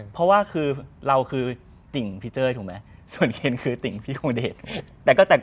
เพราะว่าคือเราคือติ่งพี่เจ้ยถูกไหมส่วนเคนคือติ่งพี่ของเดช